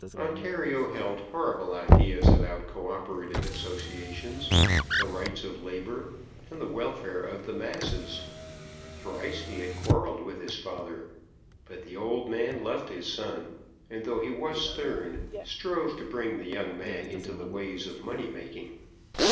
Ontario held horrible ideas about co operative associations, the rights of labour, and the welfare of the masses. Thrice he had quarrelled with his father; but the old man loved his son, and though he was stern, strove to bring the young man into the ways of money making.